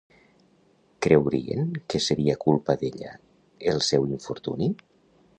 Creurien que seria culpa d'ella el seu infortuni?